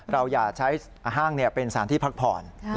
อย่าใช้ห้างเป็นสารที่พักผ่อน